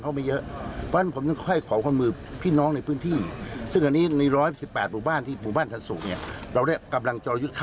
ก็จะเปลี่ยนเป็นเข้าพื้นที่แทนการประจำตามป้อมมานะคะ